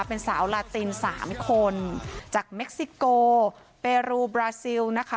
เป็นสาวลาติน๓คนจากเม็กซิโกเปรูบราซิลนะคะ